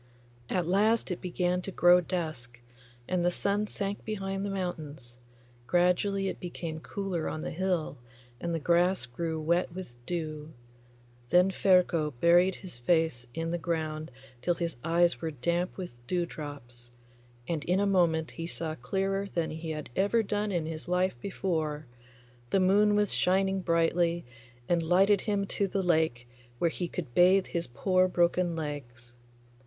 At last it began to grow dusk, and the sun sank behind the mountains; gradually it became cooler on the hill, and the grass grew wet with dew. Then Ferko buried his face in the ground till his eyes were damp with dewdrops, and in a moment he saw clearer than he had ever done in his life before. The moon was shining brightly, and lighted him to the lake where he could bathe his poor broken legs.